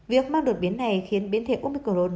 việc mang đột biến này khiến biến thể omicron